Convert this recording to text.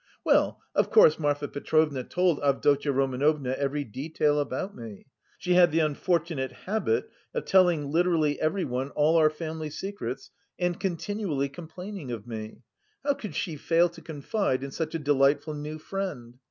Well, of course, Marfa Petrovna told Avdotya Romanovna every detail about me. She had the unfortunate habit of telling literally everyone all our family secrets and continually complaining of me; how could she fail to confide in such a delightful new friend?